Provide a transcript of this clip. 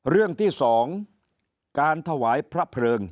เรื่องที่๒การถวายพระเพลิง